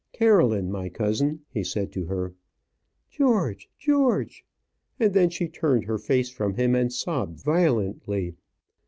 "Caroline, my cousin," he said to her. "George, George." And then she turned her face from him, and sobbed violently.